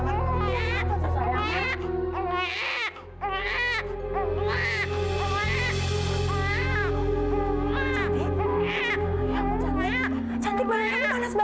jadi cantik nggak boleh dong ketemu sama papa terus